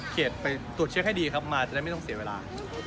ไปตรวจเช็คให้ดีครับมาจะได้ไม่ต้องเสียเวลา